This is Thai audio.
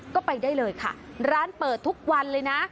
ก็ไปได้เลยค่ะร้านเปิดทุกวันเลยนะ